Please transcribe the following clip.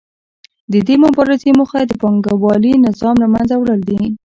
د دې مبارزې موخه د پانګوالي نظام له منځه وړل دي